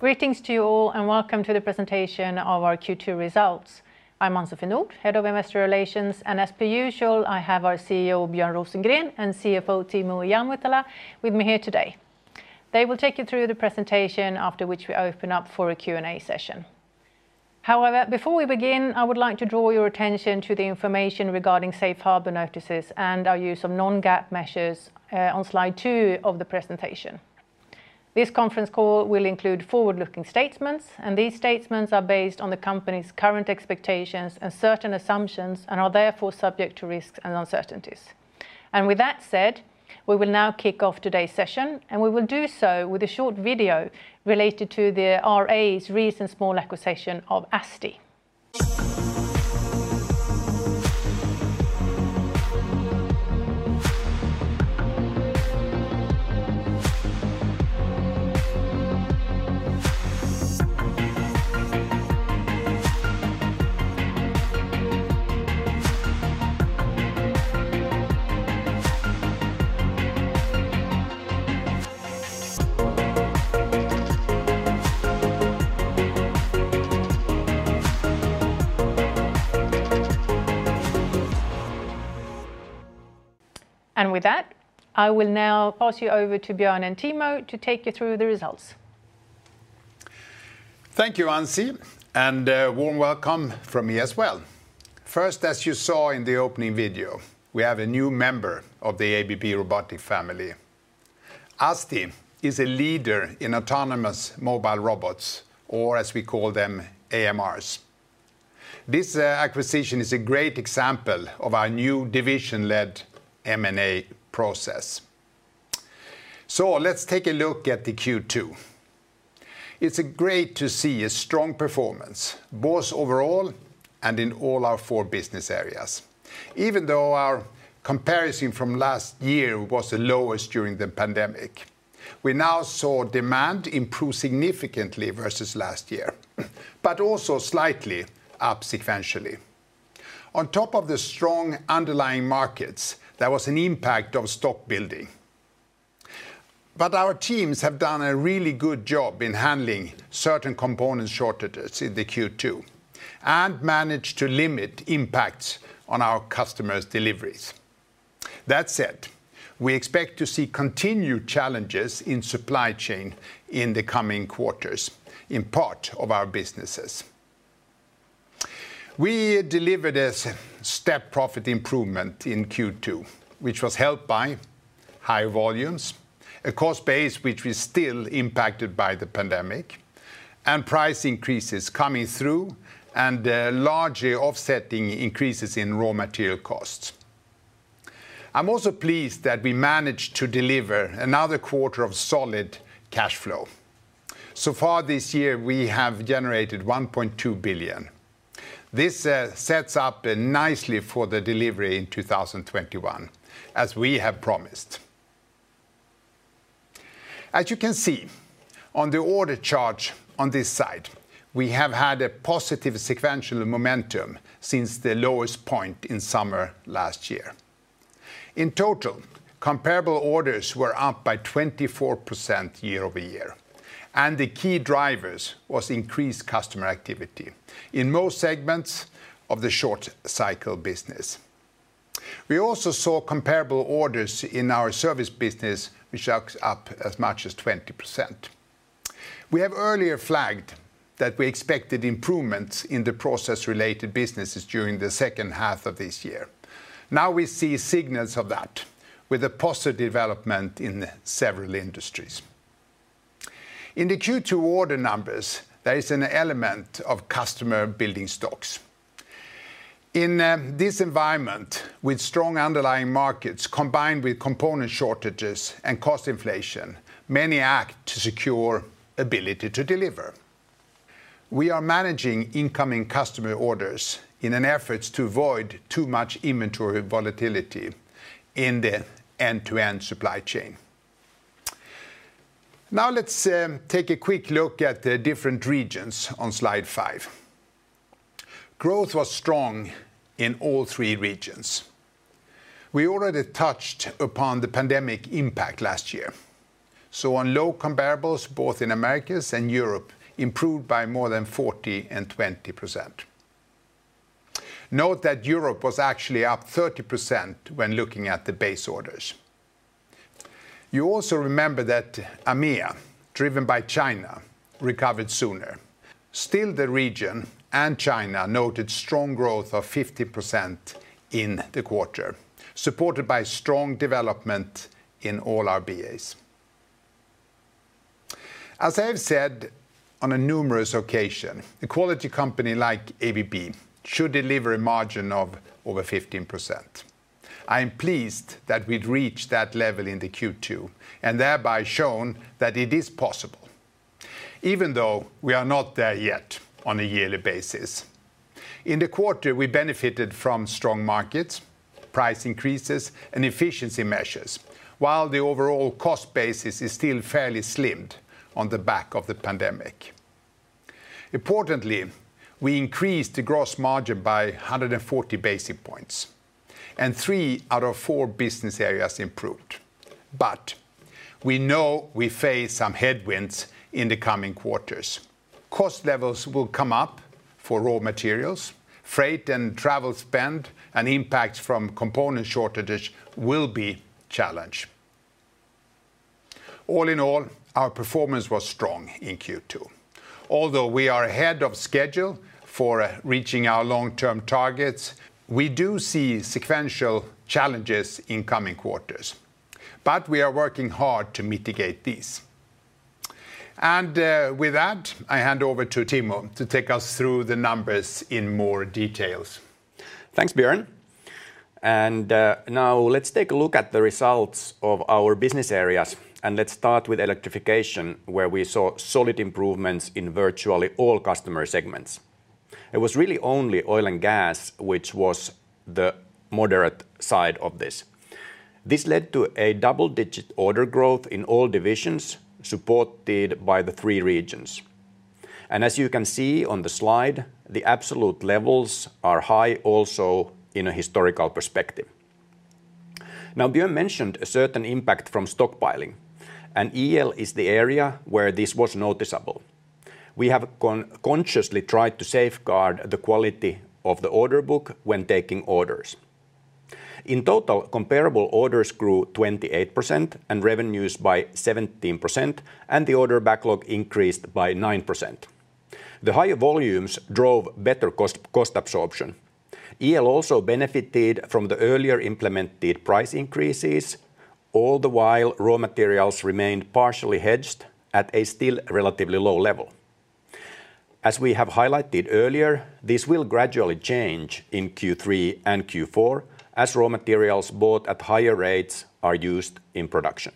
Greetings to you all, welcome to the presentation of our Q2 results. I'm Ann-Sofie Nordh, Head of Investor Relations. As per usual, I have our CEO, Björn Rosengren, and CFO, Timo Ihamuotila, with me here today. They will take you through the presentation, after which we open up for a Q&A session. Before we begin, I would like to draw your attention to the information regarding safe harbor notices and our use of non-GAAP measures on slide two of the presentation. This conference call will include forward-looking statements. These statements are based on the company's current expectations and certain assumptions and are therefore subject to risks and uncertainties. With that said, we will now kick off today's session. We will do so with a short video related to the RA's recent small acquisition of ASTI. With that, I will now pass you over to Björn and Timo to take you through the results. Thank you, Ann-Sofie, and a warm welcome from me as well. First, as you saw in the opening video, we have a new member of the ABB Robotic family. ASTI is a leader in autonomous mobile robots or, as we call them, AMRs. This acquisition is a great example of our new division-led M&A process. Let's take a look at the Q2. It's great to see a strong performance, both overall and in all our four business areas, even though our comparison from last year was the lowest during the pandemic. We now saw demand improve significantly versus last year, but also slightly up sequentially. On top of the strong underlying markets, there was an impact of stock building. Our teams have done a really good job in handling certain component shortages in the Q2 and managed to limit impacts on our customers' deliveries. That said, we expect to see continued challenges in supply chain in the coming quarters in part of our businesses. We delivered a step profit improvement in Q2, which was helped by high volumes, a cost base which was still impacted by the pandemic, and price increases coming through and largely offsetting increases in raw material costs. I'm also pleased that we managed to deliver another quarter of solid cash flow. Far this year, we have generated $1.2 billion. This sets up nicely for the delivery in 2021, as we have promised. As you can see on the order chart on this side, we have had a positive sequential momentum since the lowest point in summer last year. In total, comparable orders were up by 24% year-over-year, the key driver was increased customer activity in most segments of the short cycle business. We also saw comparable orders in our service business, which are up as much as 20%. We have earlier flagged that we expected improvements in the process-related businesses during the second half of this year. We see signals of that with a positive development in several industries. In the Q2 order numbers, there is an element of customer building stocks. In this environment, with strong underlying markets combined with component shortages and cost inflation, many act to secure ability to deliver. We are managing incoming customer orders in an effort to avoid too much inventory volatility in the end-to-end supply chain. Let's take a quick look at the different regions on slide five. Growth was strong in all three regions. We already touched upon the pandemic impact last year, on low comparables, both in Americas and Europe improved by more than 40% and 20%. Note that Europe was actually up 30% when looking at the base orders. You also remember that AMEA, driven by China, recovered sooner. The region and China noted strong growth of 50% in the quarter, supported by strong development in all our BAs. As I have said on a numerous occasion, a quality company like ABB should deliver a margin of over 15%. I am pleased that we'd reached that level in the Q2, and thereby shown that it is possible, even though we are not there yet on a yearly basis. In the quarter, we benefited from strong markets, price increases, and efficiency measures, while the overall cost base is still fairly slimmed on the back of the pandemic. We increased the gross margin by 140 basis points, and three out of four business areas improved. We know we face some headwinds in the coming quarters. Cost levels will come up for raw materials, freight and travel spend, and impacts from component shortages will be a challenge. All in all, our performance was strong in Q2. Although we are ahead of schedule for reaching our long-term targets, we do see sequential challenges in coming quarters. We are working hard to mitigate these. With that, I hand over to Timo to take us through the numbers in more details. Thanks, Björn. Now let's take a look at the results of our business areas, and let's start with Electrification, where we saw solid improvements in virtually all customer segments. It was really only oil and gas, which was the moderate side of this. This led to a double-digit order growth in all divisions, supported by the three regions. As you can see on the slide, the absolute levels are high also in a historical perspective. Now, Björn mentioned a certain impact from stockpiling, and EL is the area where this was noticeable. We have consciously tried to safeguard the quality of the order book when taking orders. In total, comparable orders grew 28% and revenues by 17%, and the order backlog increased by 9%. The higher volumes drove better cost absorption. EL also benefited from the earlier implemented price increases, all the while raw materials remained partially hedged at a still relatively low level. As we have highlighted earlier, this will gradually change in Q3 and Q4 as raw materials bought at higher rates are used in production.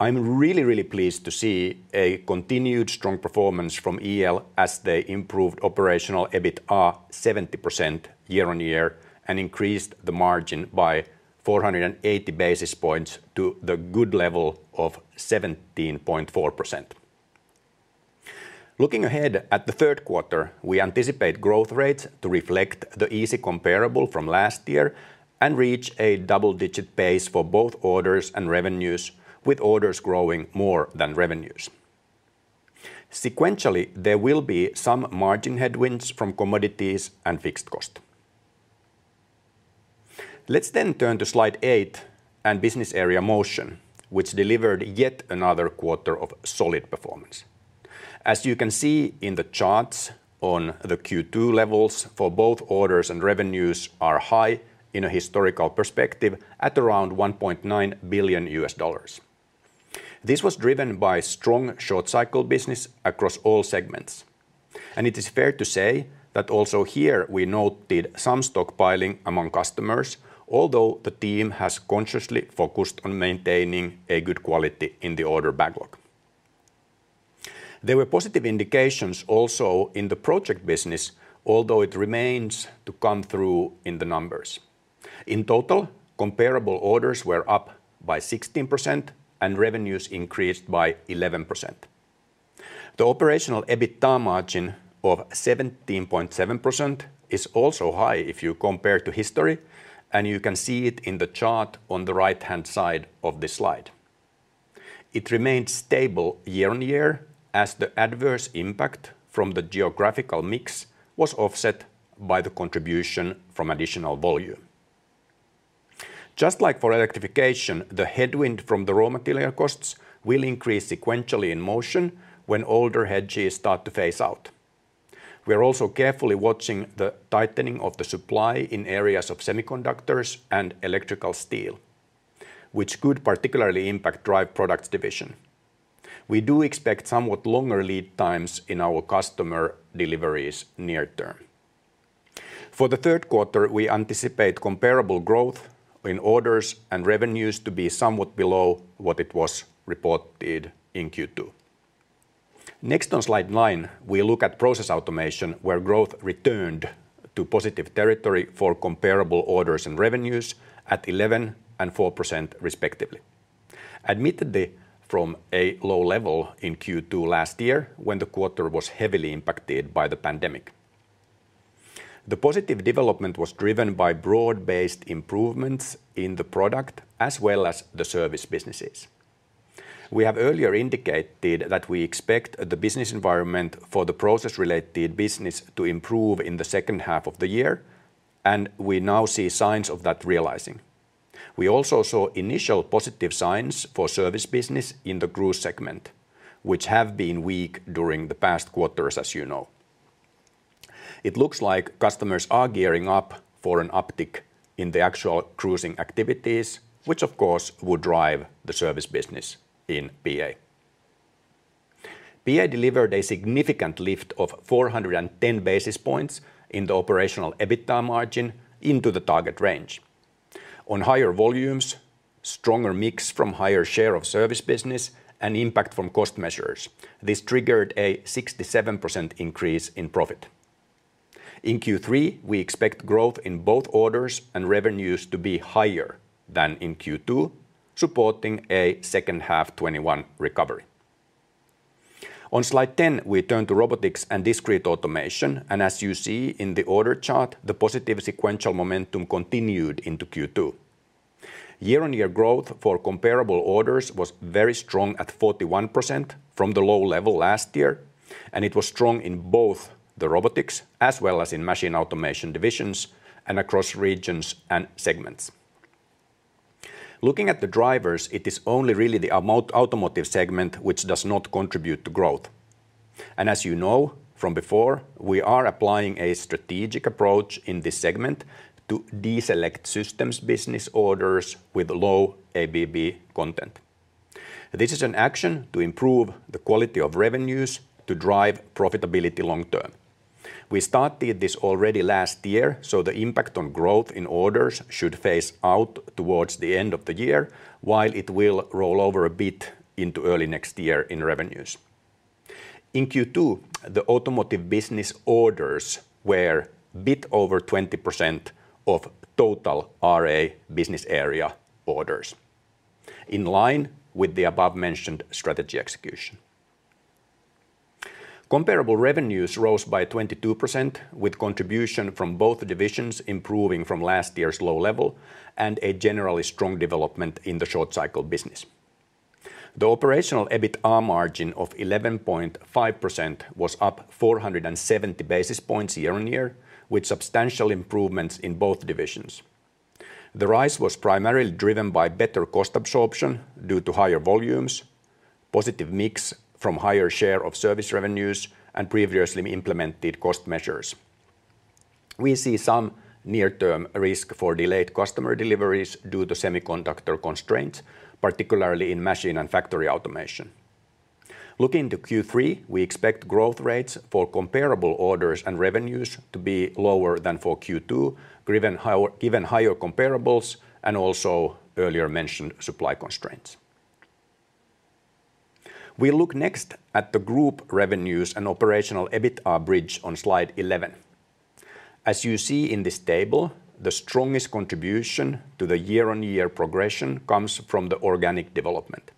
I'm really pleased to see a continued strong performance from EL as they improved operational EBITDA 70% year-on-year and increased the margin by 480 basis points to the good level of 17.4%. Looking ahead at the third quarter, we anticipate growth rates to reflect the easy comparable from last year and reach a double-digit pace for both orders and revenues, with orders growing more than revenues. Sequentially, there will be some margin headwinds from commodities and fixed cost. Let's turn to Slide eight and business area Motion, which delivered yet another quarter of solid performance. As you can see in the charts on the Q2 levels for both orders and revenues are high in a historical perspective at around $1.9 billion. This was driven by strong short cycle business across all segments. It is fair to say that also here we noted some stockpiling among customers, although the team has consciously focused on maintaining a good quality in the order backlog. There were positive indications also in the project business, although it remains to come through in the numbers. In total, comparable orders were up by 16% and revenues increased by 11%. The operational EBITDA margin of 17.7% is also high if you compare to history, and you can see it in the chart on the right-hand side of this slide. It remained stable year-on-year as the adverse impact from the geographical mix was offset by the contribution from additional volume. Just like for Electrification, the headwind from the raw material costs will increase sequentially in motion when older hedges start to phase out. We are also carefully watching the tightening of the supply in areas of semiconductors and electrical steel, which could particularly impact drive products division. We do expect somewhat longer lead times in our customer deliveries near term. For the third quarter, we anticipate comparable growth in orders and revenues to be somewhat below what it was reported in Q2. On Slide nine, we look at Process Automation, where growth returned to positive territory for comparable orders and revenues at 11% and 4% respectively. Admittedly, from a low level in Q2 last year, when the quarter was heavily impacted by the pandemic. The positive development was driven by broad-based improvements in the product as well as the service businesses. We have earlier indicated that we expect the business environment for the process-related business to improve in the second half of the year. We now see signs of that realizing. We also saw initial positive signs for service business in the cruise segment, which have been weak during the past quarters, as you know. It looks like customers are gearing up for an uptick in the actual cruising activities, which of course would drive the service business in PA. PA delivered a significant lift of 410 basis points in the operational EBITDA margin into the target range. On higher volumes, stronger mix from higher share of service business and impact from cost measures. This triggered a 67% increase in profit. In Q3, we expect growth in both orders and revenues to be higher than in Q2, supporting a second half 2021 recovery. On slide 10, we turn to Robotics and Discrete Automation. As you see in the order chart, the positive sequential momentum continued into Q2. Year-on-year growth for comparable orders was very strong at 41% from the low level last year. It was strong in both the Robotics as well as in Machine Automation divisions, across regions and segments. Looking at the drivers, it is only really the automotive segment which does not contribute to growth. As you know from before, we are applying a strategic approach in this segment to deselect systems business orders with low ABB content. This is an action to improve the quality of revenues to drive profitability long term. We started this already last year, so the impact on growth in orders should phase out towards the end of the year, while it will roll over a bit into early next year in revenues. In Q2, the automotive business orders were a bit over 20% of total RA business area orders, in line with the above-mentioned strategy execution. Comparable revenues rose by 22%, with contribution from both divisions improving from last year's low level, and a generally strong development in the short cycle business. The operational EBITDA margin of 11.5% was up 470 basis points year-on-year, with substantial improvements in both divisions. The rise was primarily driven by better cost absorption due to higher volumes, positive mix from higher share of service revenues, and previously implemented cost measures. We see some near-term risk for delayed customer deliveries due to semiconductor constraints, particularly in machine and factory automation. Looking to Q3, we expect growth rates for comparable orders and revenues to be lower than for Q2, given even higher comparables and also earlier mentioned supply constraints. We look next at the group revenues and operational EBITDA bridge on Slide 11. As you see in this table, the strongest contribution to the year-on-year progression comes from the organic development.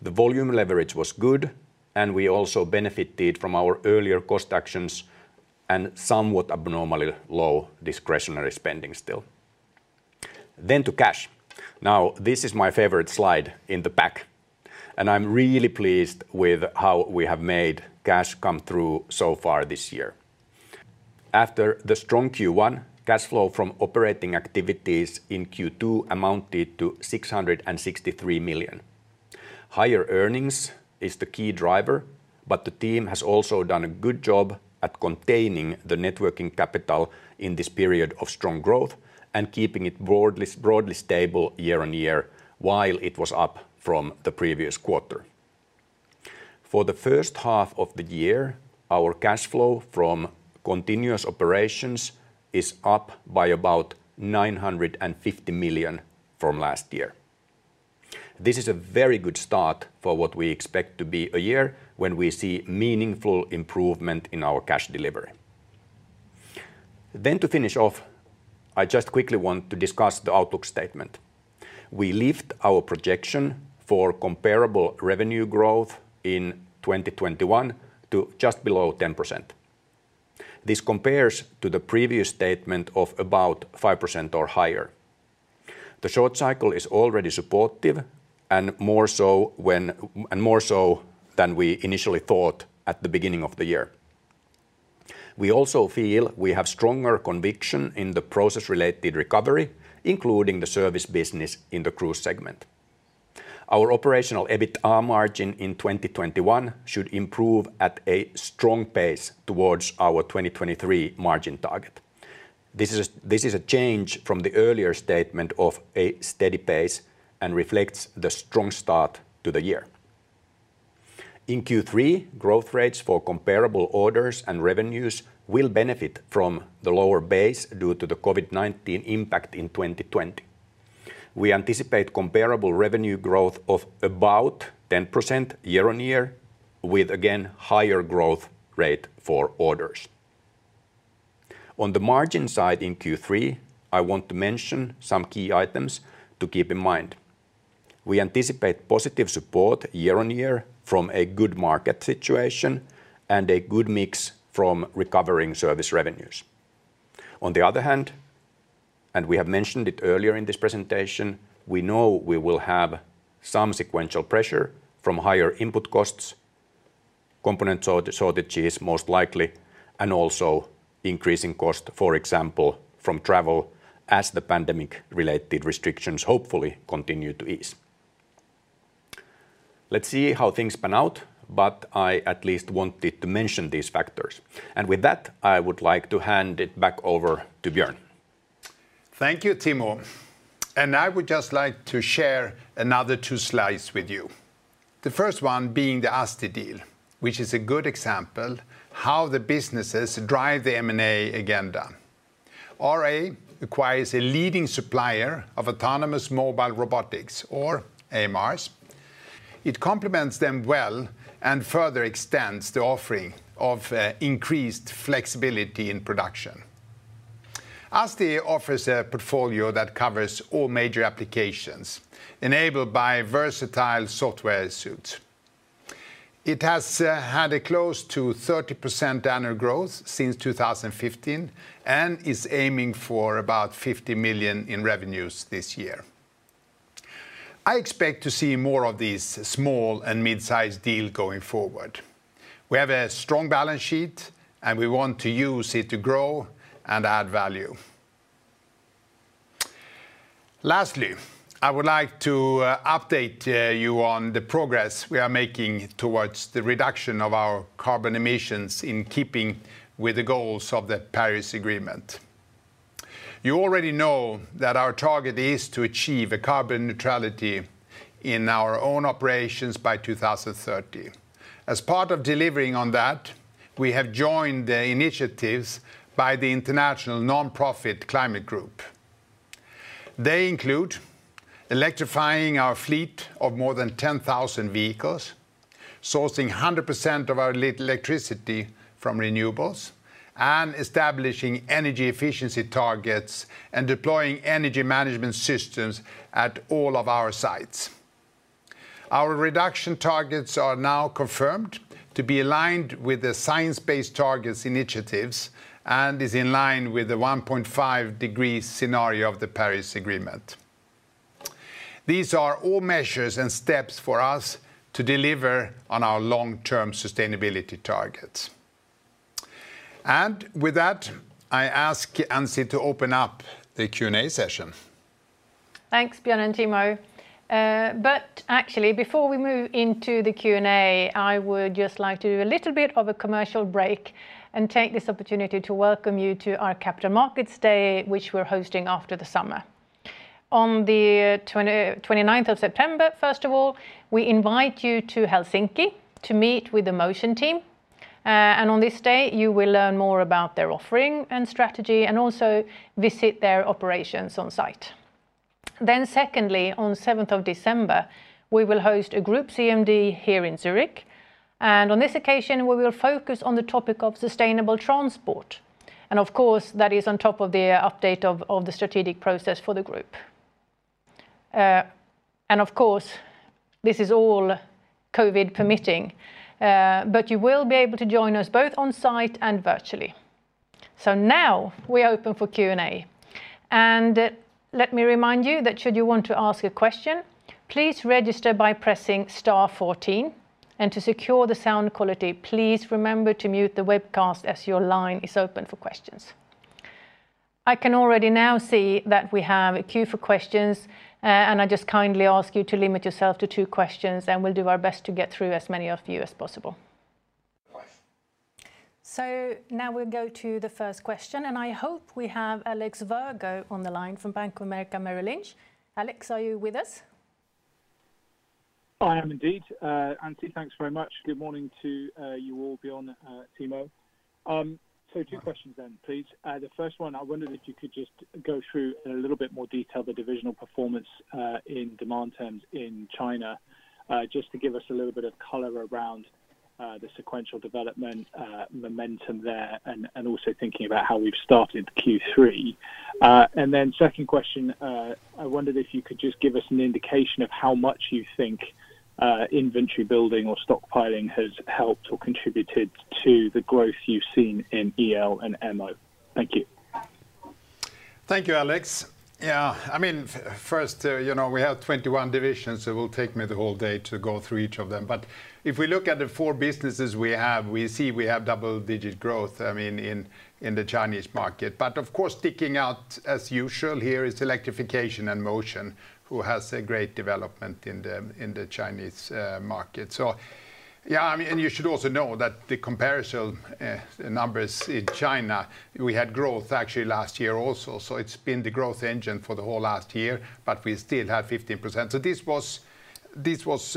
The volume leverage was good, and we also benefited from our earlier cost actions and somewhat abnormally low discretionary spending still. To cash. This is my favorite slide in the pack, and I'm really pleased with how we have made cash come through so far this year. After the strong Q1, cash flow from operating activities in Q2 amounted to $663 million. Higher earnings is the key driver, but the team has also done a good job at containing the net working capital in this period of strong growth and keeping it broadly stable year-on-year, while it was up from the previous quarter. For the first half of the year, our cash flow from continuous operations is up by about $950 million from last year. This is a very good start for what we expect to be a year when we see meaningful improvement in our cash delivery. To finish off, I just quickly want to discuss the outlook statement. We lift our projection for comparable revenue growth in 2021 to just below 10%. This compares to the previous statement of about 5% or higher. The short cycle is already supportive and more so than we initially thought at the beginning of the year. We also feel we have stronger conviction in the process-related recovery, including the service business in the cruise segment. Our operational EBITDA margin in 2021 should improve at a strong pace towards our 2023 margin target. This is a change from the earlier statement of a steady pace and reflects the strong start to the year. In Q3, growth rates for comparable orders and revenues will benefit from the lower base due to the COVID-19 impact in 2020. We anticipate comparable revenue growth of about 10% year-on-year with, again, higher growth rate for orders. On the margin side in Q3, I want to mention some key items to keep in mind. We anticipate positive support year-on-year from a good market situation and a good mix from recovering service revenues. On the other hand, and we have mentioned it earlier in this presentation, we know we will have some sequential pressure from higher input costs, component shortages most likely, and also increasing cost, for example, from travel as the pandemic-related restrictions hopefully continue to ease. Let's see how things pan out, but I at least wanted to mention these factors. With that, I would like to hand it back over to Björn. Thank you, Timo. I would just like to share another two slides with you. The first one being the ASTI deal, which is a good example how the businesses drive the M&A agenda. RA acquires a leading supplier of autonomous mobile robotics, or AMRs. It complements them well and further extends the offering of increased flexibility in production. ASTI offers a portfolio that covers all major applications enabled by versatile software suites. It has had a close to 30% annual growth since 2015 and is aiming for about $50 million in revenues this year. I expect to see more of these small and mid-size deals going forward. We have a strong balance sheet, and we want to use it to grow and add value. Lastly, I would like to update you on the progress we are making towards the reduction of our carbon emissions in keeping with the goals of the Paris Agreement. You already know that our target is to achieve carbon neutrality in our own operations by 2030. As part of delivering on that, we have joined the initiatives by the international nonprofit Climate Group. They include electrifying our fleet of more than 10,000 vehicles, sourcing 100% of our electricity from renewables, and establishing energy efficiency targets and deploying energy management systems at all of our sites. Our reduction targets are now confirmed to be aligned with the Science Based Targets initiative and is in line with the 1.5-degree scenario of the Paris Agreement. These are all measures and steps for us to deliver on our long-term sustainability targets. With that, I ask Ann-Sofie to open up the Q&A session. Thanks, Björn and Timo. Actually, before we move into the Q&A, I would just like to do a little bit of a commercial break and take this opportunity to welcome you to our Capital Markets Day, which we're hosting after the summer. On the 29th of September, first of all, we invite you to Helsinki to meet with the Motion team. On this day, you will learn more about their offering and strategy and also visit their operations on site., Secondly, on the 7th of December, we will host a group CMD here in Zurich, and on this occasion, we will focus on the topic of sustainable transport, and of course, that is on top of the update of the strategic process for the group. Of course, this is all COVID permitting, but you will be able to join us both on-site and virtually. Now we're open for Q&A. Let me remind you that should you want to ask a question, please register by pressing star 14. To secure the sound quality, please remember to mute the webcast as your line is open for questions. I can already now see that we have a queue for questions, and I just kindly ask you to limit yourself to two questions, and we'll do our best to get through as many of you as possible. Now we'll go to the first question, and I hope we have Alex Virgo on the line from Bank of America Merrill Lynch. Alex, are you with us? I am indeed. Ann-Sofie, thanks very much. Good morning to you all, Björn, Timo. Two questions, please. The first one, I wondered if you could just go through, in a little bit more detail, the divisional performance, in demand terms in China, just to give us a little bit of color around the sequential development, momentum there, and also thinking about how we've started Q3. Second question, I wondered if you could just give us an indication of how much you think inventory building or stockpiling has helped or contributed to the growth you've seen in EL and MO. Thank you. Thank you, Alex. We have 21 divisions, it will take me the whole day to go through each of them. If we look at the four businesses we have, we see we have double-digit growth in the Chinese market. Of course, sticking out, as usual here, is Electrification and Motion, who has a great development in the Chinese market. You should also know that the comparison numbers in China, we had growth actually last year also. It's been the growth engine for the whole last year, but we still have 15%. This was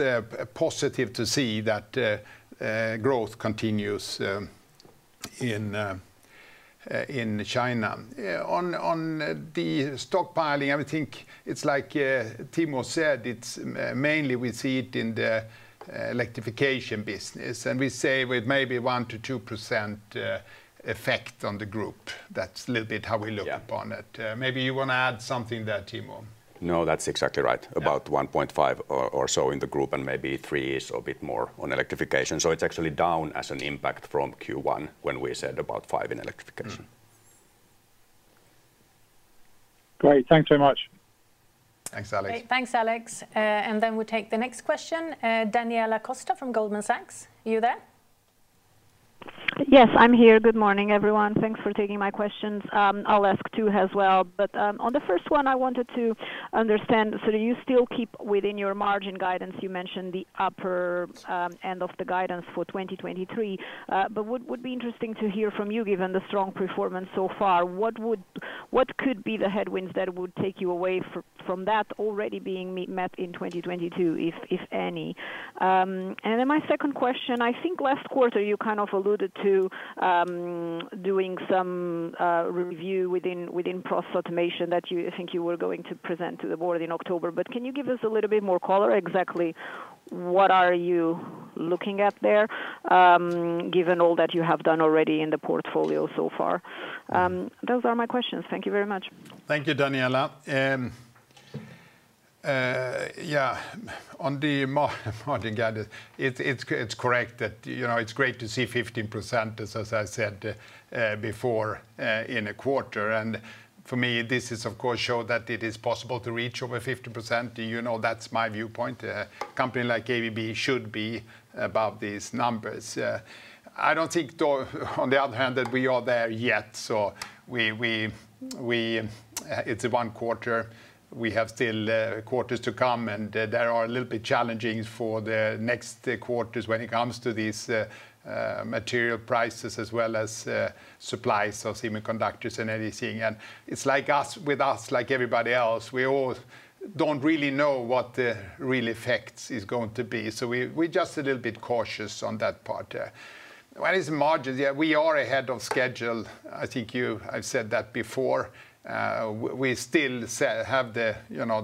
positive to see that growth continues in China. On the stockpiling, I would think it's like Timo said, mainly we see it in the Electrification business, and we say with maybe 1%-2% effect on the group. That's a little bit how we look upon it. Yeah. Maybe you want to add something there, Timo. That's exactly right. About 1.5% or so in the group and maybe 3% or a bit more on Electrification. It's actually down as an impact from Q1 when we said about 5% in Electrification. Great. Thanks very much. Thanks, Alex. Great. Thanks, Alex. We take the next question. Daniela Costa from Goldman Sachs, are you there? Yes, I'm here. Good morning, everyone. Thanks for taking my questions. I'll ask two as well. On the first one, I wanted to understand, do you still keep within your margin guidance? You mentioned the upper end of the guidance for 2023. What would be interesting to hear from you, given the strong performance so far, what could be the headwinds that would take you away from that already being met in 2022, if any? My second question, I think last quarter you kind of alluded to doing some review within Process Automation that I think you were going to present to the board in October. Can you give us a little bit more color exactly what are you looking at there, given all that you have done already in the portfolio so far? Those are my questions. Thank you very much. Thank you, Daniela. Yeah. On the margin guidance, it is correct that it is great to see 15%, as I said before, in a quarter. For me, this of course shows that it is possible to reach over 15%. That's my viewpoint. A company like ABB should be above these numbers. I don't think, though, on the other hand, that we are there yet, so it's one quarter. We have still quarters to come, and there are a little bit of challenges for the next quarters when it comes to these material prices as well as supplies of semiconductors and LED. It's like us with us, like everybody else, we all don't really know what the real effect is going to be. We're just a little bit cautious on that part. When it's margin, yeah, we are ahead of schedule. I think I've said that before. We still have the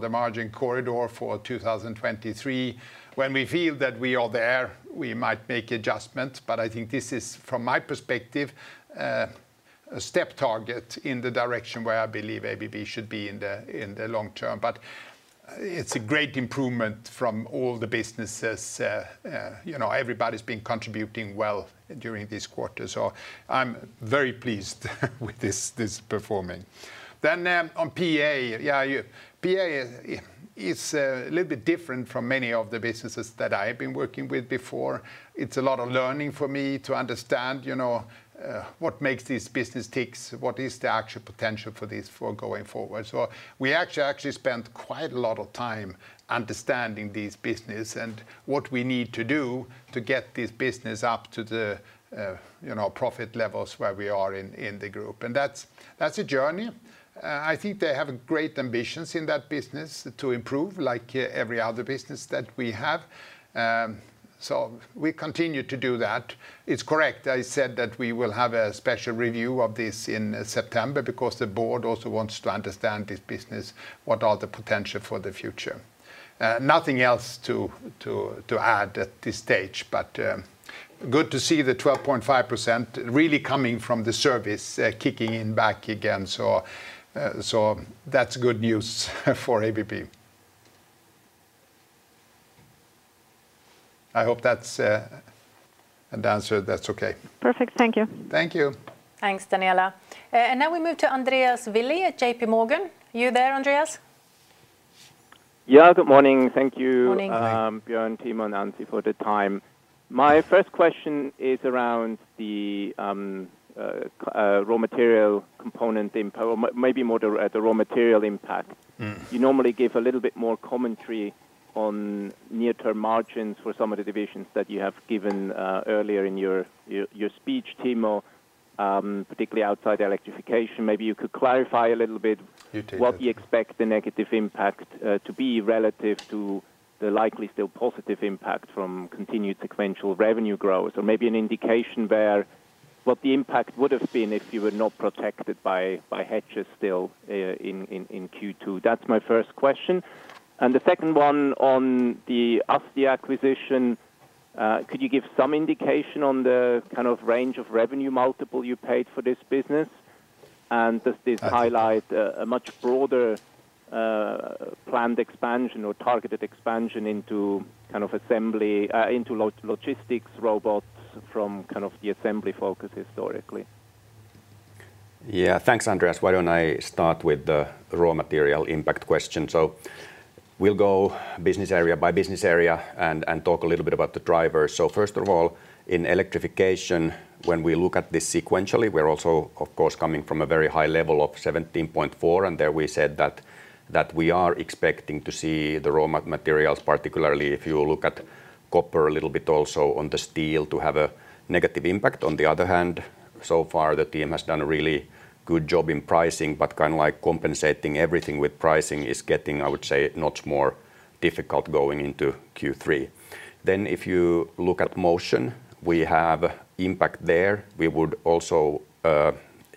margin corridor for 2023. When we feel that we are there, we might make adjustments. I think this is, from my perspective, a step target in the direction where I believe ABB should be in the long term. It's a great improvement from all the businesses. Everybody's been contributing well during this quarter. I'm very pleased with this performing. On PA. Yeah, PA is a little bit different from many of the businesses that I have been working with before. It's a lot of learning for me to understand what makes this business tick, what is the actual potential for this for going forward. We actually spent quite a lot of time understanding this business and what we need to do to get this business up to the profit levels where we are in the group. That's a journey. I think they have great ambitions in that business to improve, like every other business that we have. We continue to do that. It's correct, I said that we will have a special review of this in September because the board also wants to understand this business, what are the potential for the future. Nothing else to add at this stage, good to see the 12.5% really coming from the service, kicking in back again. That's good news for ABB. I hope that's an answer that's okay. Perfect. Thank you. Thank you. Thanks, Daniela. Now we move to Andreas Willi at JPMorgan. You there, Andreas? Yeah. Good morning. Thank you. Morning. Björn, Timo, and Ann-Sofie for the time. My first question is around the raw material component impact, maybe more at the raw material impact. You normally give a little bit more commentary on near-term margins for some of the divisions that you have given earlier in your speech, Timo, particularly outside Electrification. Maybe you could clarify a little bit. What you expect the negative impact to be relative to the likely still positive impact from continued sequential revenue growth, or maybe an indication there what the impact would've been if you were not protected by hedges still in Q2. That's my first question. The second one on the ASTI acquisition, could you give some indication on the kind of range of revenue multiple you paid for this business? Does this highlight a much broader planned expansion or targeted expansion into logistics, robots from the assembly focus historically? Thanks, Andreas. Why don't I start with the raw material impact question. We'll go business area by business area and talk a little bit about the drivers. First of all, in Electrification, when we look at this sequentially, we're also, of course, coming from a very high level of 17.4, and there we said that we are expecting to see the raw materials, particularly if you look at copper a little bit also on the steel to have a negative impact. On the other hand, so far the team has done a really good job in pricing, but kind of like compensating everything with pricing is getting, I would say, much more difficult going into Q3. If you look at Motion, we have impact there. We would also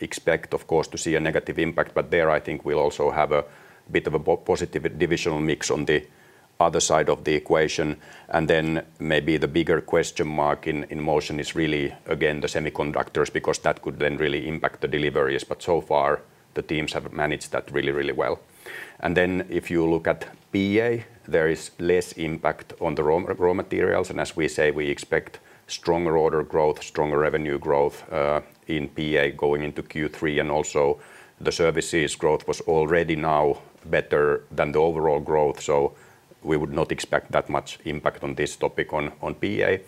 expect, of course, to see a negative impact, but there I think we'll also have a bit of a positive divisional mix on the other side of the equation. Maybe the bigger question mark in Motion is really, again, the semiconductors, because that could then really impact the deliveries. So far, the teams have managed that really, really well. If you look at PA, there is less impact on the raw materials, and as we say, we expect stronger order growth, stronger revenue growth in PA going into Q3, and also the services growth was already now better than the overall growth. We would not expect that much impact on this topic on PA.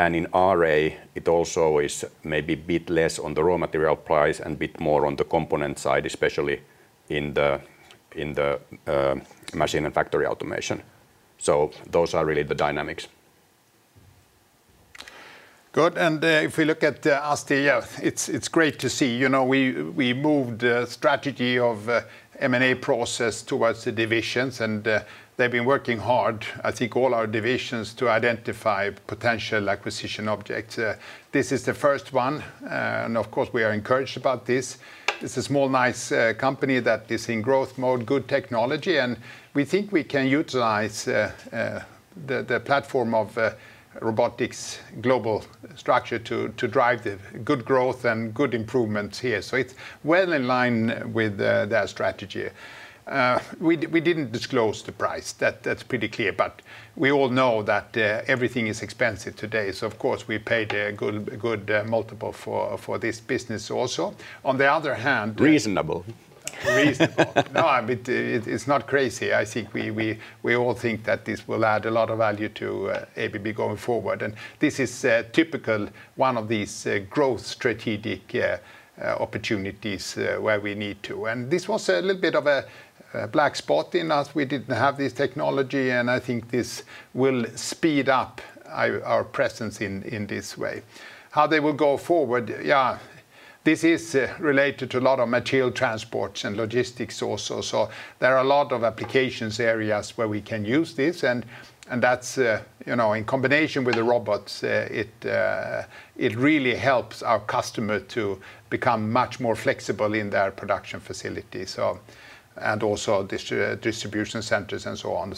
In RA, it also is maybe a bit less on the raw material price and bit more on the component side, especially in the machine and factory automation. Those are really the dynamics. Good. If we look at ASTI, it's great to see. We moved strategy of M&A process towards the divisions, and they've been working hard, I think all our divisions, to identify potential acquisition objects. This is the first one. Of course, we are encouraged about this. It's a small, nice company that is in growth mode, good technology, and we think we can utilize the platform of Robotics global structure to drive the good growth and good improvements here. It's well in line with their strategy. We didn't disclose the price. That's pretty clear, but we all know that everything is expensive today, so of course, we paid a good multiple for this business also. On the other hand. Reasonable It's not crazy. I think we all think that this will add a lot of value to ABB going forward. This is a typical one of these growth strategic opportunities where we need to. This was a little bit of a black spot in us. We didn't have this technology, and I think this will speed up our presence in this way. How they will go forward, this is related to a lot of material transports and logistics also. There are a lot of applications areas where we can use this, and that's in combination with the robots. It really helps our customer to become much more flexible in their production facilities, and also distribution centers and so on.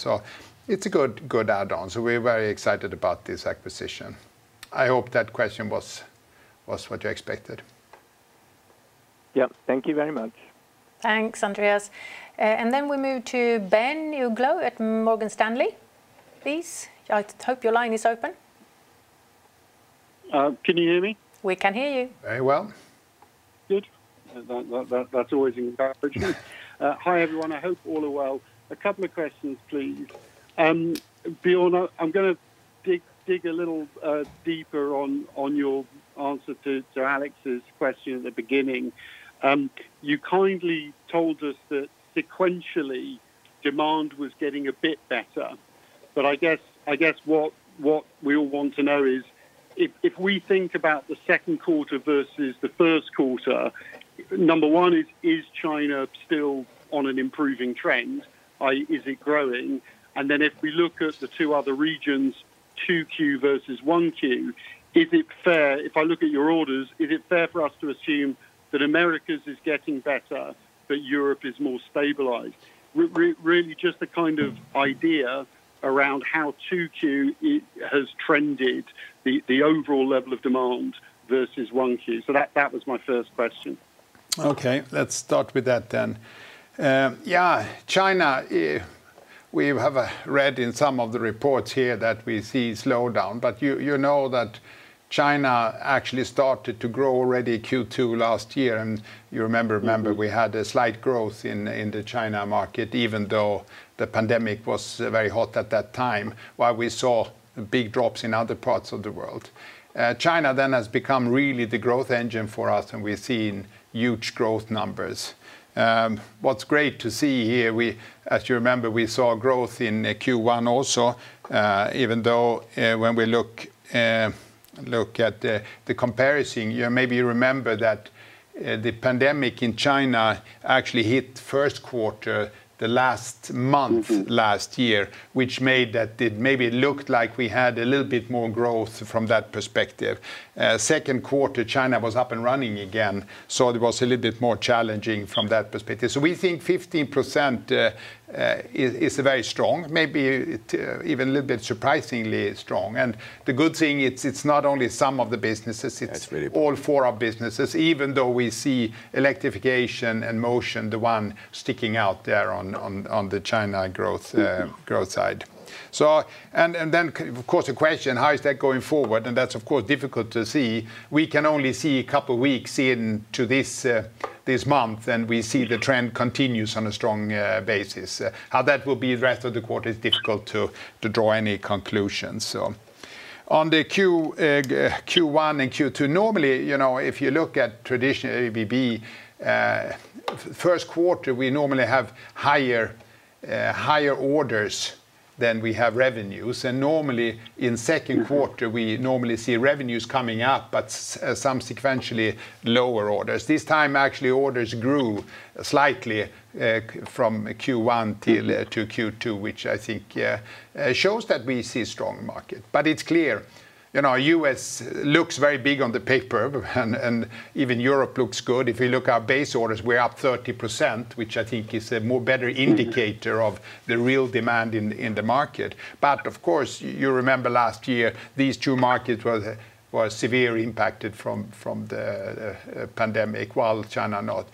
It's a good add-on. We're very excited about this acquisition. I hope that question was what you expected. Yep. Thank you very much. Thanks, Andreas. We move to Ben Uglow at Morgan Stanley. Please, I hope your line is open. Can you hear me? We can hear you. Very well. Good. That's always encouraging. Hi, everyone. I hope all are well. A couple of questions please. Björn, I'm going to dig a little deeper on your answer to Alex Virgo's question at the beginning. You kindly told us that sequentially, demand was getting a bit better. I guess what we all want to know is, if we think about the second quarter versus the first quarter, number one, is China still on an improving trend? Is it growing? If we look at the two other regions, 2Q versus 1Q, if I look at your orders, is it fair for us to assume that Americas is getting better, but Europe is more stabilized? Really just a kind of idea around how 2Q has trended the overall level of demand versus 1Q. That was my first question. Let's start with that. China, we have read in some of the reports here that we see slowdown, you know that China actually started to grow already Q2 last year, and you remember we had a slight growth in the China market, even though the pandemic was very hot at that time, while we saw big drops in other parts of the world. China has become really the growth engine for us, and we're seeing huge growth numbers. What's great to see here, as you remember, we saw growth in Q1 also, even though when we look at the comparison. Maybe you remember that the pandemic in China actually hit first quarter, the last month last year, which made that it maybe looked like we had a little bit more growth from that perspective. Second quarter, China was up and running again, so it was a little bit more challenging from that perspective. We think 15% is very strong, maybe even a little bit surprisingly strong. The good thing, it's not only some of the businesses. That's very. It's all four of businesses, even though we see Electrification and motion, the one sticking out there on the China growth side. Of course, the question, how is that going forward? That's of course difficult to see. We can only see a couple of weeks into this month, and we see the trend continues on a strong basis. How that will be rest of the quarter, it's difficult to draw any conclusions. On the Q1 and Q2, normally, if you look at traditional ABB, first quarter, we normally have higher orders than we have revenues. Normally, in second quarter, we normally see revenues coming up, but some sequentially lower orders. This time actually, orders grew slightly from Q1 to Q2, which I think shows that we see strong market. It's clear, U.S. looks very big on the paper, and even Europe looks good. If you look at base orders, we're up 30%, which I think is a more better indicator of the real demand in the market. Of course, you remember last year, these two markets were severely impacted from the pandemic, while China not.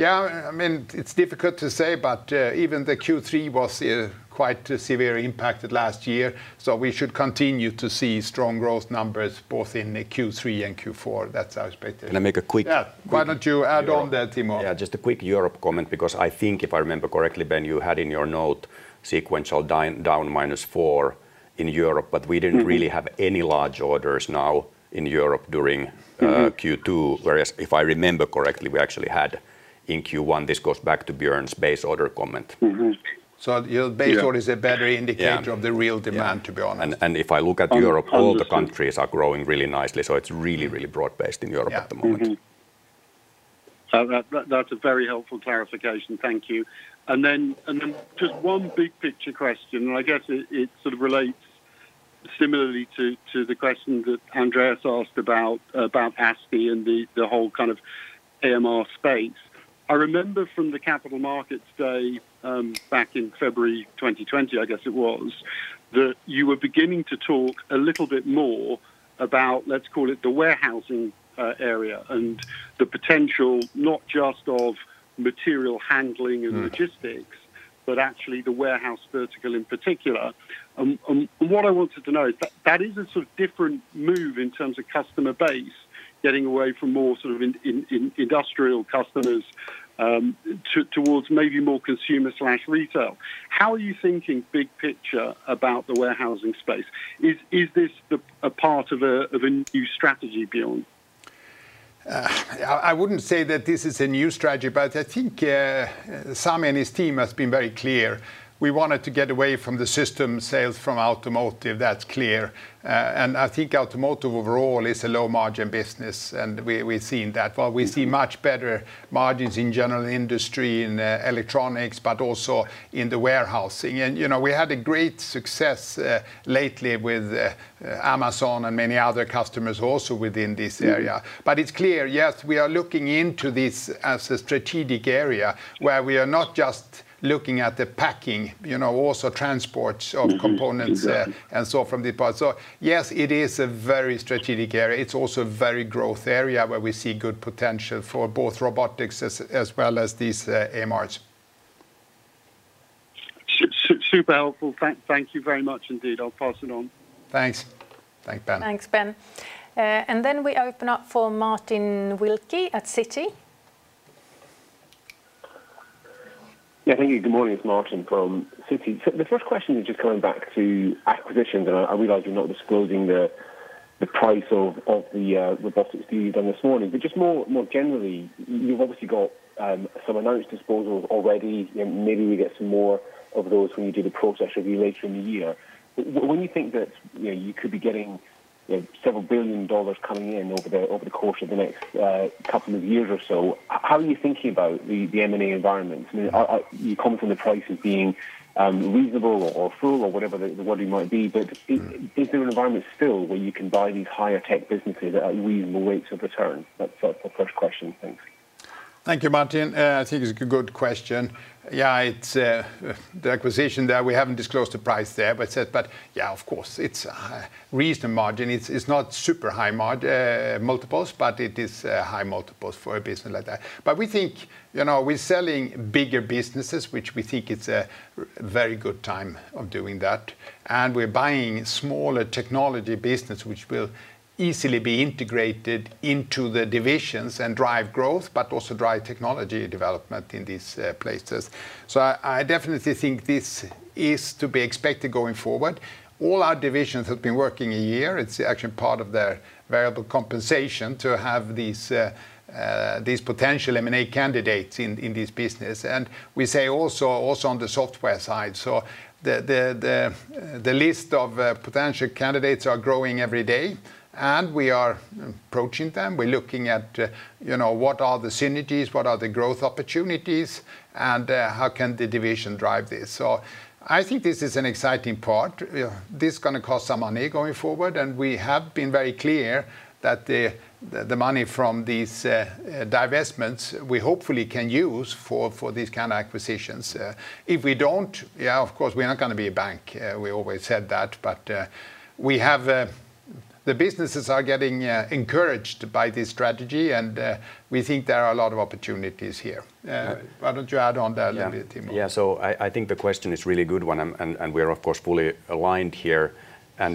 It's difficult to say, but even the Q3 was quite severely impacted last year, so we should continue to see strong growth numbers both in Q3 and Q4. That's our expectation. Can I make a quick. Yeah. Why don't you add on there, Timo? Yeah, just a quick Europe comment, because I think if I remember correctly, Ben, you had in your note sequential down -4 in Europe, but we didn't really have any large orders now in Europe during Q2. Whereas if I remember correctly, we actually had in Q1, this goes back to Björn's base order comment. Your base order is a better indicator. Yeah. Of the real demand, to be honest. If I look at Europe. Understood All the countries are growing really nicely. It's really, really broad-based in Europe at the moment. That's a very helpful clarification. Thank you. Then just one big picture question, I guess it sort of relates similarly to the question that Andreas asked about ASTI and the whole kind of AMR space. I remember from the Capital Markets Day back in February 2020, I guess it was, that you were beginning to talk a little bit more about, let's call it, the warehousing area and the potential not just of material handling and logistics, but actually the warehouse vertical in particular. What I wanted to know, that is a sort of different move in terms of customer base, getting away from more industrial customers towards maybe more consumer/retail. How are you thinking big picture about the warehousing space? Is this a part of a new strategy, Björn? I wouldn't say that this is a new strategy, but I think Sami and his team have been very clear. We wanted to get away from the system sales from automotive. That's clear. I think automotive overall is a low margin business, and we've seen that. While we see much better margins in general industry, in electronics, but also in the warehousing. We had a great success lately with Amazon and many other customers also within this area. It's clear, yes, we are looking into this as a strategic area where we are not just looking at the packing, also transport of components. From the port. Yes, it is a very strategic area. It's also a very growth area where we see good potential for both robotics, as well as these AMRs. Super helpful. Thank you very much indeed. I'll pass it on. Thanks. Thank Ben. Thanks, Ben. We open up for Martin Wilkie at Citi. Yeah, thank you. Good morning. It's Martin from Citi. The first question is just coming back to acquisitions, and I realize you're not disclosing the price of the robotics deal done this morning. Just more generally, you've obviously got some announced disposals already, and maybe we get some more of those when you do the process review later in the year. When you think that you could be getting several billion dollars coming in over the course of the next couple of years or so, how are you thinking about the M&A environment? I mean, you comment on the prices being reasonable or full or whatever the wording might be, but is there an environment still where you can buy these higher tech businesses at reasonable rates of return? That's the first question. Thanks. Thank you, Martin. I think it's a good question. The acquisition there, we haven't disclosed the price there, but yeah, of course, it's a reasonable margin. It's not super high multiples, but it is a high multiples for a business like that. We're selling bigger businesses, which we think it's a very good time of doing that, and we're buying smaller technology business, which will easily be integrated into the divisions and drive growth, but also drive technology development in these places. I definitely think this is to be expected going forward. All our divisions have been working a year. It's actually part of their variable compensation to have these potential M&A candidates in this business. We say also on the software side. The list of potential candidates are growing every day, and we are approaching them. We're looking at what are the synergies? What are the growth opportunities? How can the division drive this? I think this is an exciting part. This is going to cost some money going forward, and we have been very clear that the money from these divestments we hopefully can use for these kind of acquisitions. If we don't, of course, we're not going to be a bank. We always said that. The businesses are getting encouraged by this strategy, and we think there are a lot of opportunities here. Why don't you add on that, Timo? Yeah. I think the question is a really good one. We're of course, fully aligned here.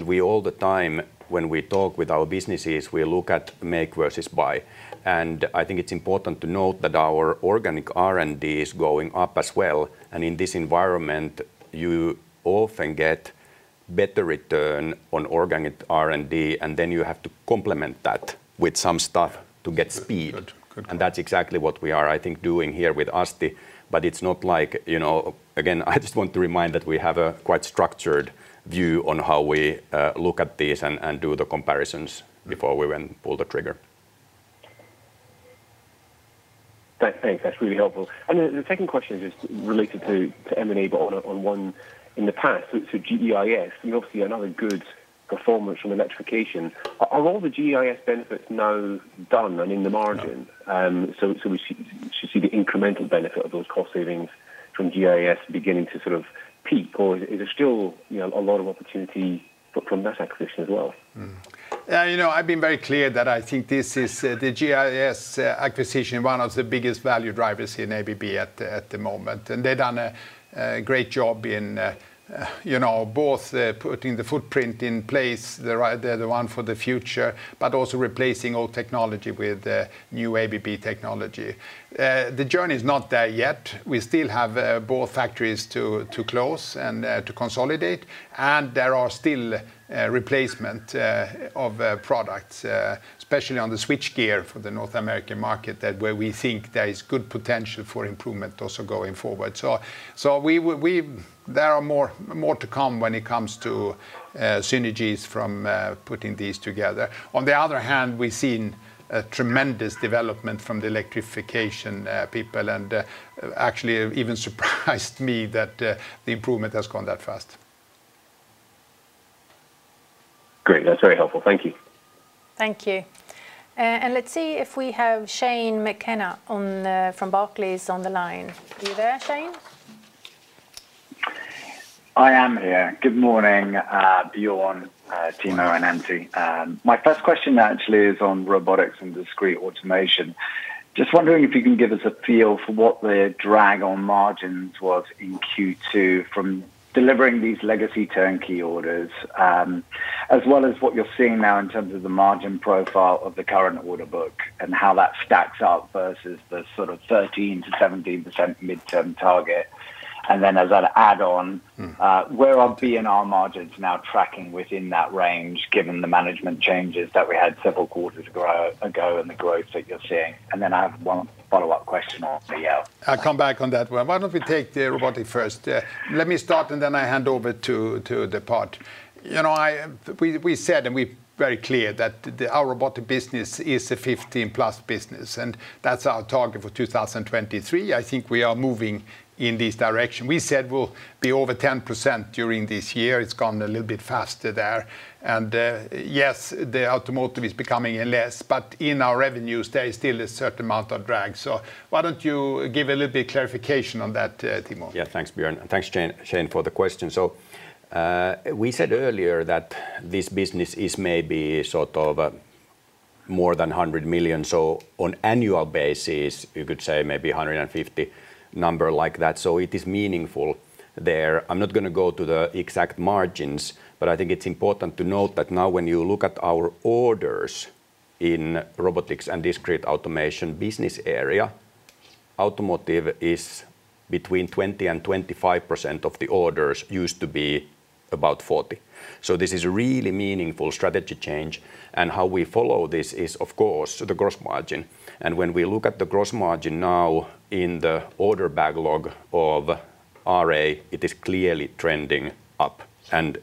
We all the time when we talk with our businesses, we look at make versus buy. I think it's important to note that our organic R&D is going up as well. In this environment, you often get better return on organic R&D. You have to complement that with some stuff to get speed. That's exactly what we are, I think, doing here with ASTI, but it's not like, again, I just want to remind that we have a quite structured view on how we look at this and do the comparisons before we went pull the trigger. Thanks. That's really helpful. The second question is just related to M&A, but on one in the past. GEIS, we obviously another good performance from Electrification. Are all the GEIS benefits now done and in the margin? We should see the incremental benefit of those cost savings from GEIS beginning to sort of peak, or is there still a lot of opportunity from that acquisition as well? I've been very clear that I think this is the GEIS acquisition, one of the biggest value drivers in ABB at the moment. They've done a great job in both putting the footprint in place, the right one for the future, but also replacing old technology with new ABB technology. The journey is not there yet. We still have both factories to close and to consolidate. There are still replacement of products, especially on the switchgear for the North American market, that where we think there is good potential for improvement also going forward. There are more to come when it comes to synergies from putting these together. On the other hand, we've seen a tremendous development from the Electrification people. Actually, even surprised me that the improvement has gone that fast. Great. That's very helpful. Thank you. Thank you. Let's see if we have Shane McKenna from Barclays on the line. Are you there, Shane? I am here. Good morning, Björn, Timo, and Ann-Sofie. My first question actually is on robotics and discrete automation. Just wondering if you can give us a feel for what the drag on margins was in Q2 from delivering these legacy turnkey orders, as well as what you're seeing now in terms of the margin profile of the current order book, and how that stacks up versus the sort of 13%-17% midterm target where are B&R margins now tracking within that range, given the management changes that we had several quarters ago, and the growth that you're seeing? Then I have one follow-up question on EL. I'll come back on that one. Why don't we take the robotic first? Let me start, and then I hand over to the team. We said, and we very clear, that our robotic business is a 15+ business, and that's our target for 2023. I think we are moving in this direction. We said we'll be over 10% during this year. It's gone a little bit faster there. Yes, the automotive is becoming less, but in our revenues, there is still a certain amount of drag. Why don't you give a little bit of clarification on that, Timo? Yeah. Thanks, Björn. Thanks, Shane, for the question. We said earlier that this business is maybe sort of more than $100 million. On annual basis, you could say maybe $150 million, number like that. It is meaningful there. I'm not going to go to the exact margins, but I think it's important to note that now when you look at our orders in Robotics & Discrete Automation business area, automotive is between 20%-25% of the orders. Used to be about 40%. This is a really meaningful strategy change, and how we follow this is, of course, the gross margin. When we look at the gross margin now in the order backlog of RA, it is clearly trending up, and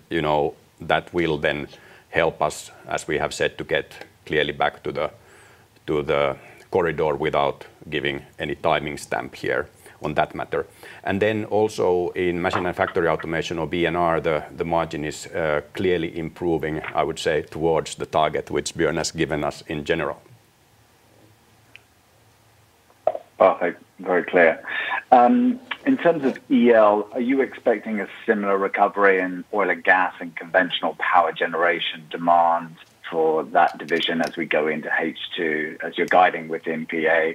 that will then help us, as we have said, to get clearly back to the corridor without giving any timing stamp here on that matter. Also in machine and factory automation, or B&R, the margin is clearly improving, I would say, towards the target which Björn has given us in general. Perfect. Very clear. In terms of EL, are you expecting a similar recovery in oil and gas and conventional power generation demand for that division as we go into H2, as you're guiding with PA?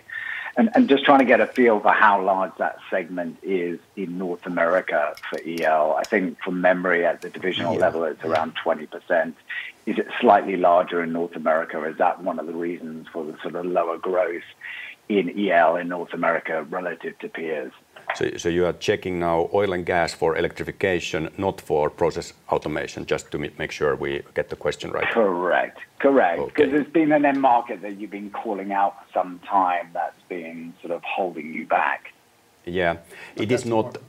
Just trying to get a feel for how large that segment is in North America for EL. I think from memory at the divisional level, it's around 20%. Is it slightly larger in North America, or is that one of the reasons for the sort of lower growth in EL in North America relative to peers? You are checking now oil and gas for Electrification, not for Process Automation, just to make sure we get the question right. Correct. Because it's been an end market that you've been calling out for some time that's been sort of holding you back. Yeah. It is.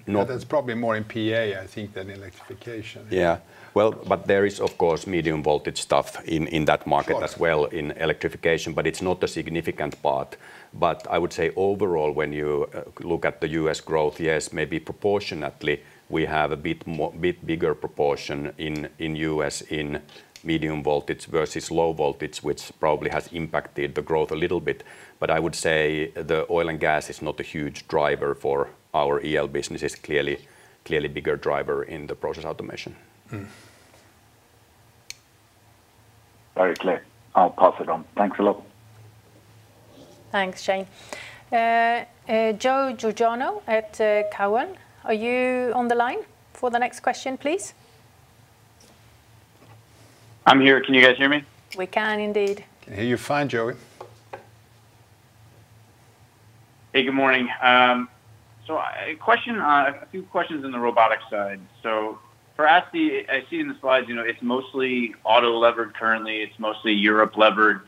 That's probably more in PA, I think, than Electrification. Yeah. Well, there is, of course, medium-voltage stuff in that market as well in Electrification, but it's not a significant part. I would say overall, when you look at the U.S. growth, yes, maybe proportionately, we have a bit bigger proportion in U.S. in medium voltage versus low voltage, which probably has impacted the growth a little bit. I would say the oil and gas is not a huge driver for our EL business. It's clearly bigger driver in the Process Automation. Very clear. I'll pass it on. Thanks a lot. Thanks, Shane. Joe Giordano at Cowen, are you on the line for the next question, please? I'm here. Can you guys hear me? We can indeed. Can hear you fine, Joe. Hey, good morning. A few questions in the robotics side. For ASTI, I see in the slides it's mostly auto-levered currently, it's mostly Europe-levered.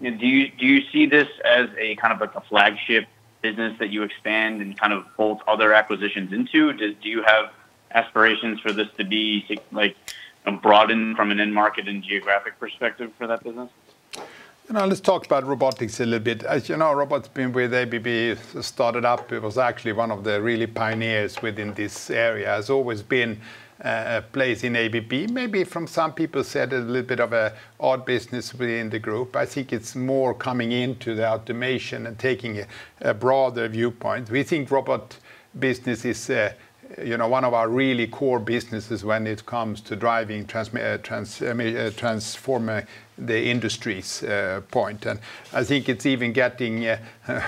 Do you see this as a kind of like a flagship business that you expand and kind of bolt other acquisitions into? Do you have aspirations for this to be broadened from an end market and geographic perspective for that business? Let's talk about robotics a little bit. As you know, robot's been with ABB. It started up, it was actually one of the really pioneers within this area. Has always been a place in ABB, maybe from some people said a little bit of an odd business within the group. I think it's more coming into the automation and taking a broader viewpoint. We think robot business is one of our really core businesses when it comes to driving, transforming the industry's point, and I think it's even getting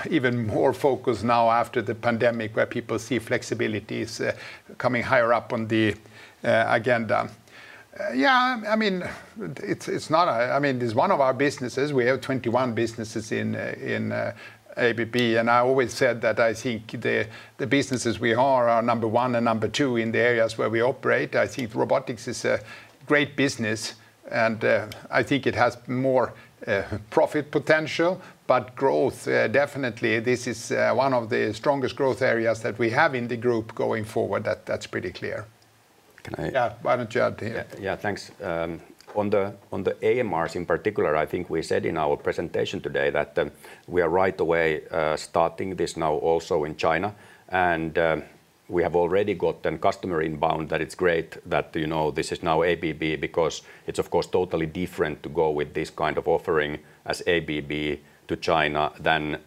even more focus now after the pandemic, where people see flexibilities coming higher up on the agenda. Yeah. It's one of our businesses. We have 21 businesses in ABB, and I always said that I think the businesses we are number one and number two in the areas where we operate. I think robotics is a great business, and I think it has more profit potential, but growth, definitely, this is one of the strongest growth areas that we have in the group going forward. That's pretty clear. Can I? Yeah, why don't you, Timo? Thanks. On the AMRs in particular, I think we said in our presentation today that we are right away starting this now also in China, and we have already got the customer inbound that it's great that this is now ABB, because it's of course totally different to go with this kind of offering as ABB to China than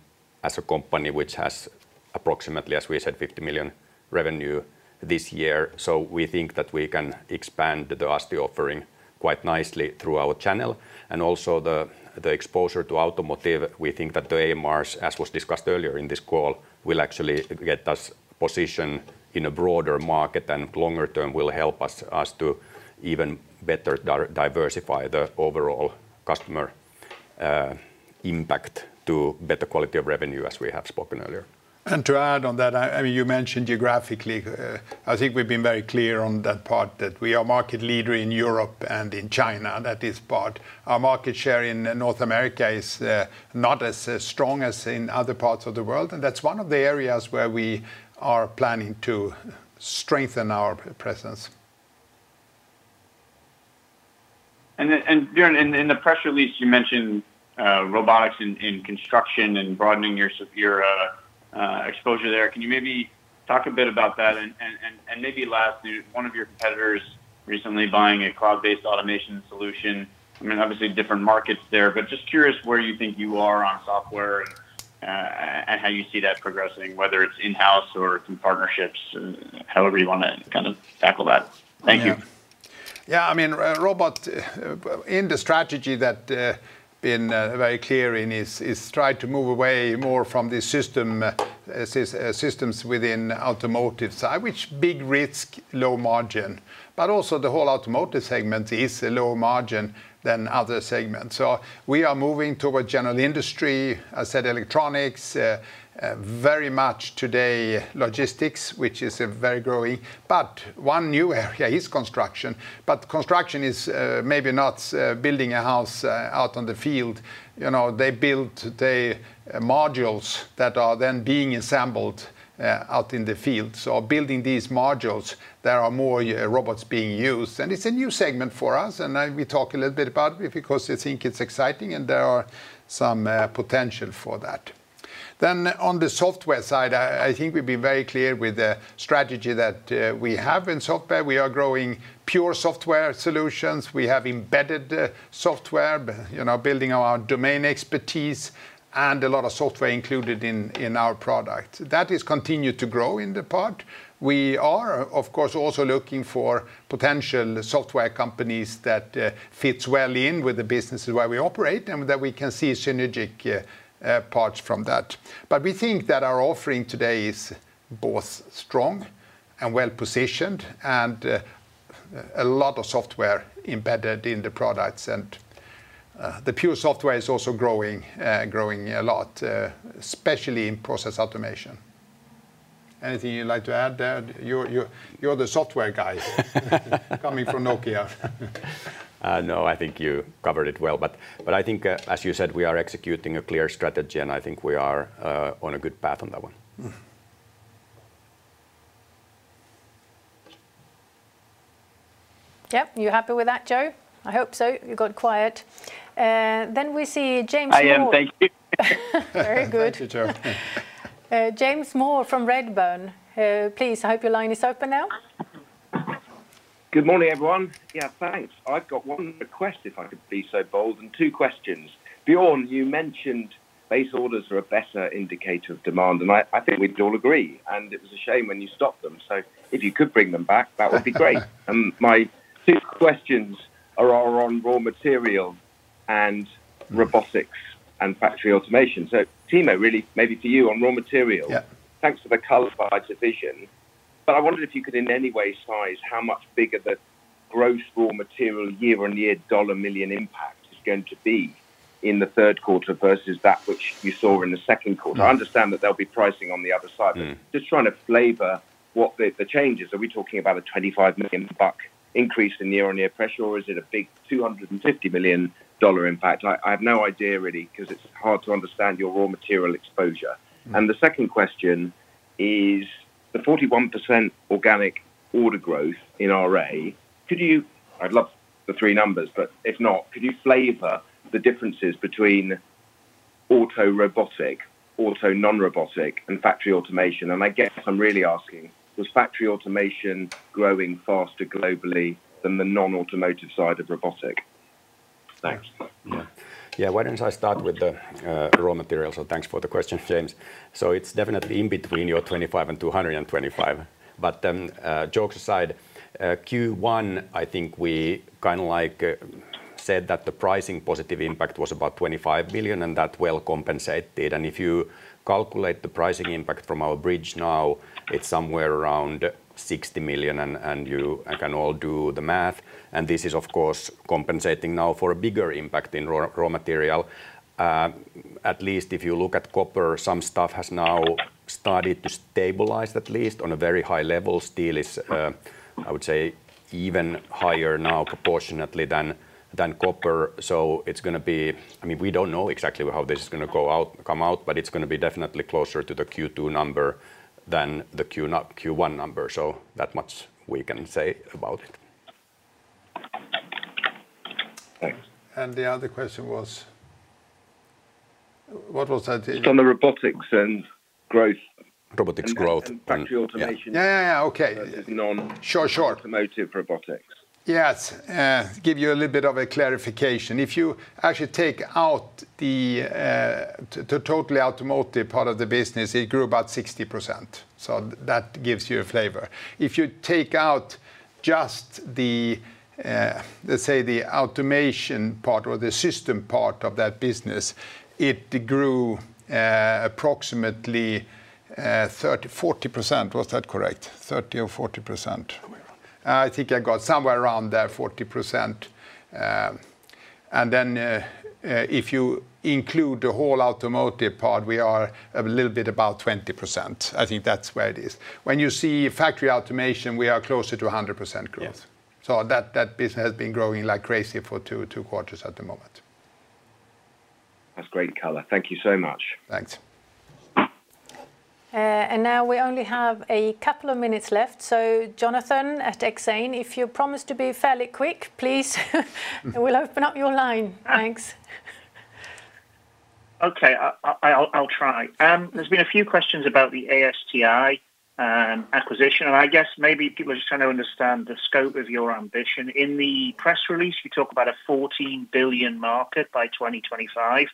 as a company which has approximately, as we said, $50 million revenue this year. We think that we can expand the ASTI offering quite nicely through our channel. Also the exposure to automotive, we think that the AMRs, as was discussed earlier in this call, will actually get us positioned in a broader market and longer term will help us to even better diversify the overall customer impact to better quality of revenue as we have spoken earlier. To add on that, you mentioned geographically, I think we've been very clear on that part, that we are market leader in Europe and in China, that is part. Our market share in North America is not as strong as in other parts of the world, and that's one of the areas where we are planning to strengthen our presence. Björn, in the press release you mentioned robotics in construction and broadening your exposure there. Can you maybe talk a bit about that? Maybe lastly, one of your competitors recently buying a cloud-based automation solution, obviously different markets there, but just curious where you think you are on software and how you see that progressing, whether it's in-house or through partnerships, however you want to tackle that. Thank you. Yeah, robot in the strategy that been very clear in is try to move away more from the systems within automotive side, which big risk, low margin, but also the whole automotive segment is a lower margin than other segments. We are moving toward general industry, I said electronics, very much today logistics, which is very growing. One new area is construction, but construction is maybe not building a house out on the field. They build the modules that are then being assembled out in the field. Building these modules, there are more robots being used, and it's a new segment for us, and we talk a little bit about it because I think it's exciting and there are some potential for that. On the software side, I think we've been very clear with the strategy that we have in software. We are growing pure software solutions. We have embedded software, building our domain expertise and a lot of software included in our product. That has continued to grow in the part. We are, of course, also looking for potential software companies that fits well in with the businesses where we operate and that we can see synergic parts from that. We think that our offering today is both strong and well-positioned, and a lot of software embedded in the products, and the pure software is also growing a lot, especially in Process Automation. Anything you'd like to add there? You're the software guy coming from Nokia. No, I think you covered it well. I think, as you said, we are executing a clear strategy, and I think we are on a good path on that one. Yep, you happy with that, Joe? I hope so. You got quiet. We see James Moore. I am. Thank you. Very good. Thank you, Joe. James Moore from Redburn. Please, I hope your line is open now. Good morning, everyone. Yeah, thanks. I've got one request, if I could be so bold, and two questions. Björn, you mentioned base orders are a better indicator of demand, and I think we'd all agree, and it was a shame when you stopped them. If you could bring them back, that would be great. My two questions are on raw material and robotics and factory automation. Timo, really maybe for you on raw material. Thanks for the color by division, I wondered if you could in any way size how much bigger the gross raw material year-on-year dollar million impact is going to be in the third quarter versus that which you saw in the second quarter. I understand that there'll be pricing on the other side. Just trying to flavor what the change is. Are we talking about a $25 million increase in year-on-year pressure, or is it a big $250 million impact? I have no idea really because it's hard to understand your raw material exposure. The second question is the 41% organic order growth in RA. I'd love the three numbers, but if not, could you flavor the differences between auto robotic, non-auto robotics, and factory automation? I guess I'm really asking, was factory automation growing faster globally than the non-automotive side of robotic? Thanks. Why don't I start with the raw materials, thanks for the question, James. It's definitely in between your $25 million and $225 million. Jokes aside, Q1, I think we kind of like said that the pricing positive impact was about $25 million, and that well compensated. If you calculate the pricing impact from our bridge now, it's somewhere around $60 million, and you can all do the math. This is, of course, compensating now for a bigger impact in raw material. At least if you look at copper, some stuff has now started to stabilize, at least on a very high level. Steel is, I would say, even higher now proportionately than copper. We don't know exactly how this is going to come out, but it's going to be definitely closer to the Q2 number than the Q1 number. That much we can say about it. Thanks. The other question was, what was that? It's on the robotics and growth. Robotics growth. Factory automation. Yeah. Okay. That is non-automotive robotics. Yes. Give you a little bit of a clarification. If you actually take out the totally automotive part of the business, it grew about 60%. That gives you a flavor. If you take out just the automation part or the system part of that business, it grew approximately 30%, 40%. Was that correct? 30% or 40%. Somewhere around. I think I got somewhere around there, 40%. If you include the whole automotive part, we are a little bit above 20%. I think that's where it is. When you see factory automation, we are closer to 100% growth. That business has been growing like crazy for two quarters at the moment. That's great color. Thank you so much. Thanks. Now we only have a couple of minutes left. Jonathan at Exane, if you promise to be fairly quick, please we'll open up your line. Thanks. Okay. I'll try. There's been a few questions about the ASTI acquisition. I guess maybe people are just trying to understand the scope of your ambition. In the press release, you talk about a $14 billion market by 2025.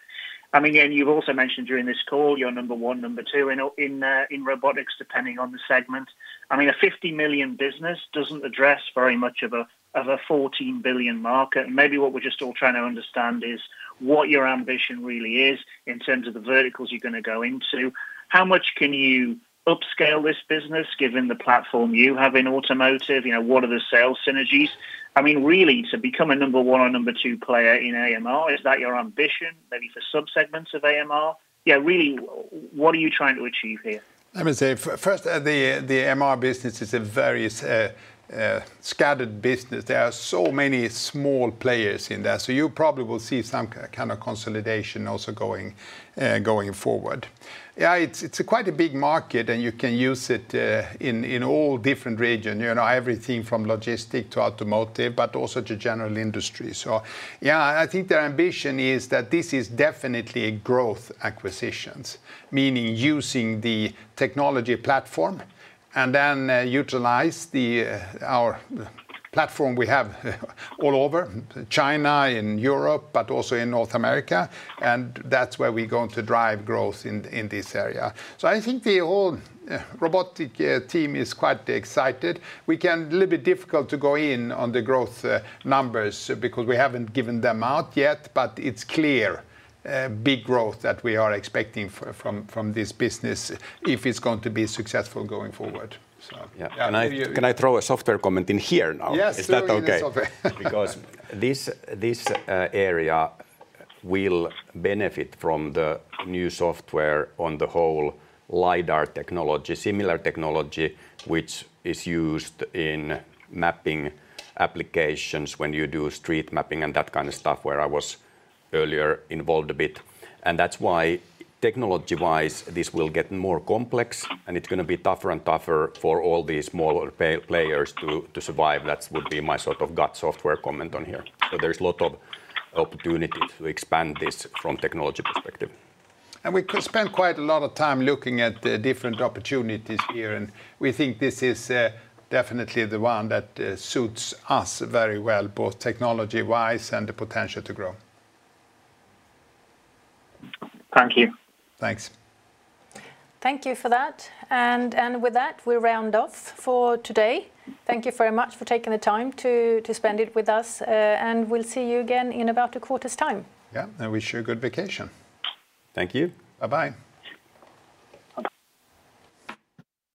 Again, you've also mentioned during this call, you're number one, number two in robotics, depending on the segment. A $50 million business doesn't address very much of a $14 billion market. Maybe what we're just all trying to understand is what your ambition really is in terms of the verticals you're going to go into. How much can you upscale this business, given the platform you have in automotive? What are the sales synergies? Really, to become a number one or number two player in AMR, is that your ambition? Maybe for sub-segments of AMR? Yeah, really, what are you trying to achieve here? I would say, first, the AMR business is a very scattered business. There are so many small players in there. You probably will see some kind of consolidation also going forward. It's quite a big market, you can use it in all different regions. Everything from logistics to automotive, also to general industry. I think the ambition is that this is definitely a growth acquisition, meaning using the technology platform then utilize our platform we have all over China and Europe, also in North America, that's where we're going to drive growth in this area. I think the whole robotic team is quite excited. A little bit difficult to go in on the growth numbers because we haven't given them out yet, but it's clear, big growth that we are expecting from this business if it's going to be successful going forward. Yeah. Can I throw a software comment in here now? Yes. Is that okay? This area will benefit from the new software on the whole lidar technology, similar technology, which is used in mapping applications when you do street mapping and that kind of stuff, where I was earlier involved a bit. That's why technology-wise, this will get more complex, and it's going to be tougher and tougher for all these smaller players to survive. That would be my gut software comment on here. There is a lot of opportunity to expand this from technology perspective. We could spend quite a lot of time looking at the different opportunities here, and we think this is definitely the one that suits us very well, both technology-wise and the potential to grow. Thank you. Thanks. Thank you for that. With that, we round off for today. Thank you very much for taking the time to spend it with us, and we'll see you again in about a quarter's time. Yeah. I wish you a good vacation. Thank you. Bye-bye. Bye-bye.